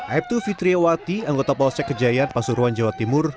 aibtu fitriawati anggota polsek kejayaan pasuruan jawa timur